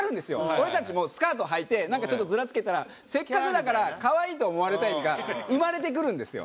俺たちもスカートはいてなんかちょっとヅラつけたら「せっかくだから可愛いと思われたい」が生まれてくるんですよ。